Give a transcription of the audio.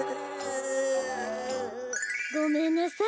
ごめんなさい。